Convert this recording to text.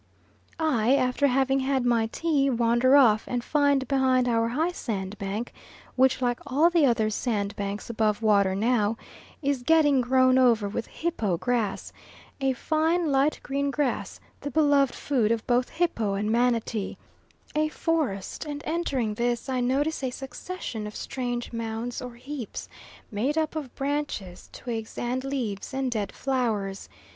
I, after having had my tea, wander off, and find behind our high sandbank, which like all the other sandbanks above water now, is getting grown over with hippo grass a fine light green grass, the beloved food of both hippo and manatee a forest, and entering this I notice a succession of strange mounds or heaps, made up of branches, twigs, and leaves, and dead flowers.